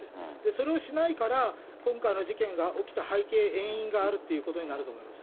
それをしないから、今回の事件が起きた背景、遠因があるということになると思います。